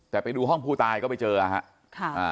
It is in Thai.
แต่ไปดูห้องผู้ตายก็ไปเจอครับ